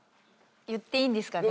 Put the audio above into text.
言っていいんですかね？